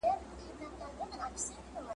ته په غشو ولې